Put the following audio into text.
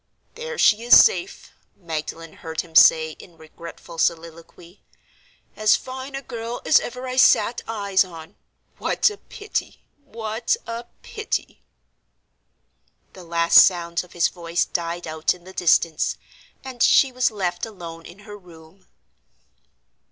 "There she is safe!" Magdalen heard him say, in regretful soliloquy. "As fine a girl as ever I sat eyes on. What a pity! what a pity!" The last sounds of his voice died out in the distance; and she was left alone in her room.